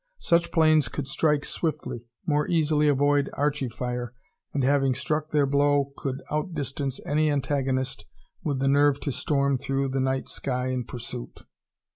Such planes could strike swiftly, more easily avoid Archie fire, and having struck their blow could outdistance any antagonist with the nerve to storm through the night sky in pursuit.